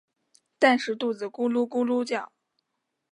但是肚子咕噜咕噜叫